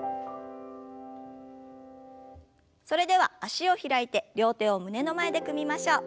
それでは脚を開いて両手を胸の前で組みましょう。